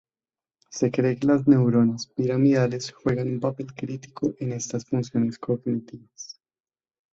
Se cree que las neuronas piramidales juegan un papel crítico en estas funciones cognitivas.